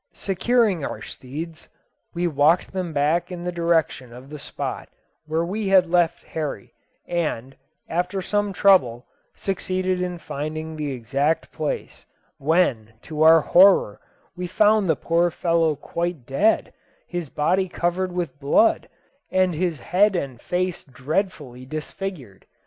Securing our steeds, we walked them back in the direction of the spot where we had left Horry, and, after some trouble, succeeded in finding the exact place, when, to our horror, we found the poor fellow quite dead, his body covered with blood, and his head and face dreadfully disfigured.